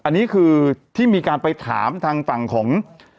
อันนี้คือที่มีการไปถามทางฝั่งของ